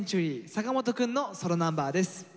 坂本くんのソロナンバーです。